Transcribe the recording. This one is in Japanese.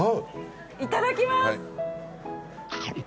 いただきます。